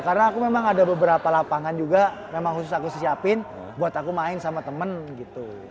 karena aku memang ada beberapa lapangan juga memang khusus aku siapin buat aku main sama temen gitu